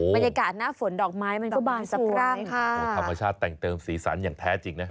บรรยากาศหน้าฝนดอกไม้มันก็บานสะพรั่งค่ะโอ้ธรรมชาติแต่งเติมสีสันอย่างแท้จริงนะ